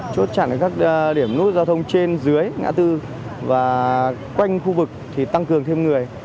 chốt chặn các điểm nút giao thông trên dưới ngã tư và quanh khu vực thì tăng cường thêm người